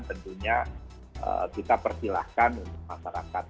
tentunya kita persilahkan untuk masyarakat